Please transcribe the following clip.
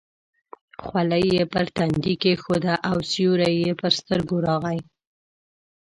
خولۍ یې پر تندي کېښوده او سیوری یې پر سترګو راغی.